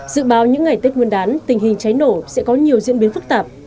dự báo những ngày tết nguyên đán tình hình cháy nổ sẽ có nhiều diễn biến phức tạp